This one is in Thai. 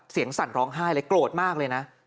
สั่นร้องไห้เลยโกรธมากเลยนะ